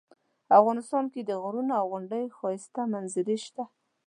افغانستان کې د غرونو او غونډیو ښایسته منظرې شته